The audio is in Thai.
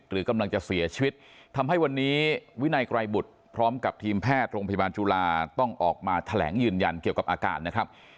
หรือกำลังจะเสียชีวิตทำให้วันนี้วินัยไกรบุตรพร้อมกับทีมแพทย์โรงพยาบาลจุฬาต้องออกมาแถลงยืนยันเกี่ยวกับอาการนะครับ